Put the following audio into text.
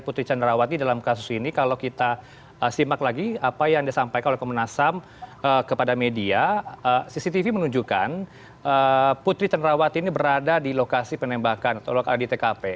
putri cenerawati ini berada di lokasi penembakan atau di tkp